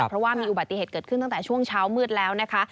เพราะว่ามีอุบัติเหตุเกิดขึ้นตั้งแต่ช่วงเช้ามืดแล้วนะคะ